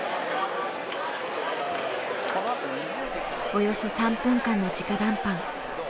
およそ３分間の直談判。